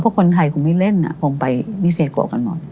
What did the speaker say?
เพราะคนไทยคงไม่เล่นคงไปวิเซโกกันหมด